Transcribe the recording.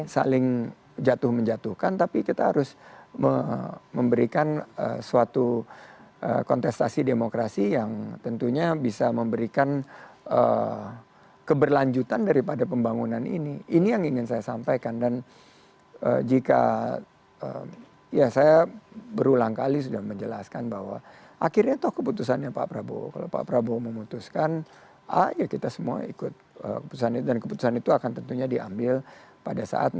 saling jatuh menjatuhkan tapi kita harus memberikan suatu kontestasi demokrasi yang tentunya bisa memberikan keberlanjutan daripada pembangunan ini ini yang ingin saya sampaikan dan jika ya saya berulang kali sudah menjelaskan bahwa akhirnya itu keputusannya pak prabowo kalau pak prabowo memutuskan ya kita semua ikut keputusan itu dan keputusan itu akan tentunya diambil pada saat ini